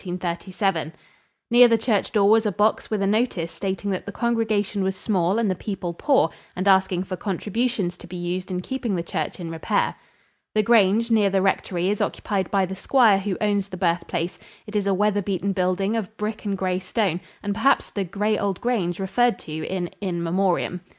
Near the church door was a box with a notice stating that the congregation was small and the people poor, and asking for contributions to be used in keeping the church in repair. The grange, near the rectory, is occupied by the squire who owns the birthplace, it is a weatherbeaten building of brick and gray stone and perhaps the "gray old grange" referred to in "In Memoriam."